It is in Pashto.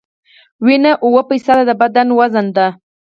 وینه اووه فیصده د بدن وزن ده.